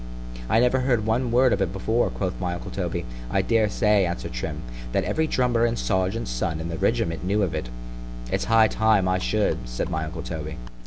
—I never heard one word of it before; quoth my uncle Toby:——I dare say, answered Trim, that every drummer and serjeant's son in the regiment knew of it——It's high time I should——said my uncle _Toby.